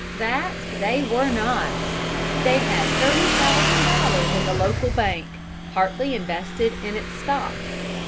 That they were not; they had thirty thousand dollars in the local bank, partly invested in its stock.